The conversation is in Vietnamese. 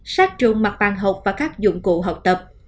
sát trùng mặt bàn học và các dụng cụ học tập